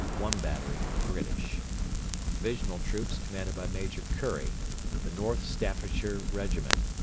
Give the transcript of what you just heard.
1 battery (British) Divisional Troops: MAJOR CURRIE North Staffordshire Regiment....